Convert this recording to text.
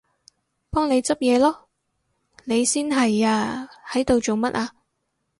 幫你執嘢囉！你先係啊，喺度做乜啊？